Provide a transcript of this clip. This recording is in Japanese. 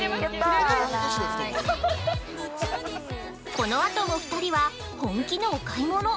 ◆このあとも２人は本気のお買い物。